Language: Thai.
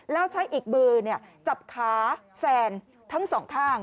แล้วใช้อีกมือจับขาแซนทั้งสองข้าง